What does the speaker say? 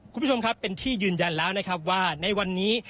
คุณผู้ชมครับเป็นที่ยืนยันแล้วนะครับว่าในวันนี้